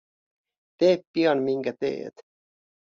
Tee pian minkä teet.